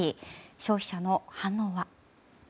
消費者の反応は。